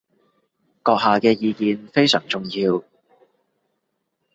閣下嘅意見非常重要